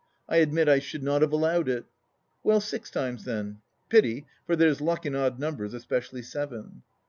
I admit I should not have allowed it. ..."" Well, six times — ^then. Pity, for there's luck in odd numbers, especially seven